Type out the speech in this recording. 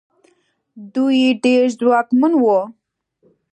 دوی ډېر ځواکمن وو.